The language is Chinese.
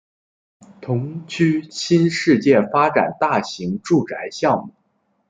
同区新世界发展大型住宅项目